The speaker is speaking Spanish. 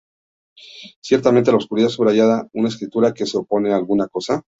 Ciertamente, la obscenidad subrayaba una escritura que se opone a alguna cosa.